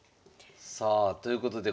さあということで